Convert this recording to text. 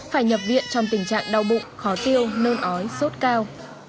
phải nhập viện trong tình trạng đau bụng khó tiêu nơn ói sốt cao